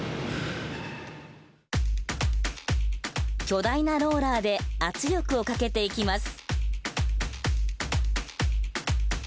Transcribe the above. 巨大なローラーで圧力をかけていきます。